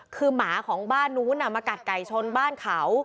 คือหมาของบ้านนู้นมากัดไก่ชนบ้านเขา